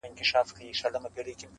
چي پر ځان دي وي پېرزو هغه پر بل سه »؛؛!